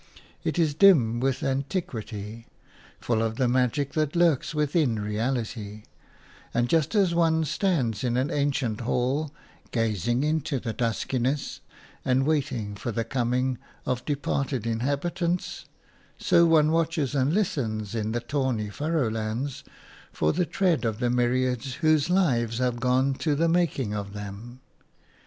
It is dim with antiquity, full of the magic that lurks within reality; and just as one stands in an ancient hall, gazing into the duskiness and waiting for the coming of departed inhabitants, so one watches and listens in the tawny furrowlands for the tread of the myriads whose lives have gone to the making of them.